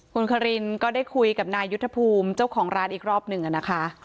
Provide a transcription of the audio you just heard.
คุณคารินก็ได้คุยกับนายยุทธภูมิเจ้าของร้านอีกรอบหนึ่งนะคะ